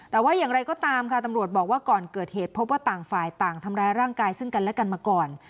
แต่ว่าอย่างไรก็ตามค่ะตำรวจบอกว่าก่อนเกิดเหตุพบว่าต่างฝ่ายต่างทำร้ายร่างกายซึ่งกันและกันมาก่อน